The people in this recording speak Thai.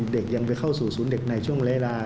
เด็กยังไปเข้าสู่ศูนย์เด็กในช่วงเวลา